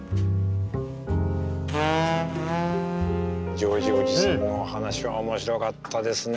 ジョージおじさんの話は面白かったですね。